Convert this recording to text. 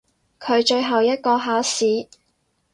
佢最後一個考試！